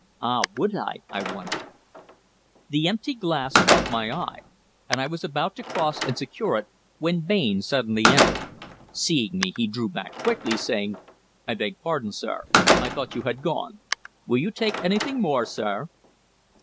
Ah! would I, I wondered? The empty glass caught my eye, and I was about to cross and secure it when Bain suddenly entered. Seeing me, he drew back quickly, saying: "I beg pardon, sir. I thought you had gone. Will you take anything more, sir?"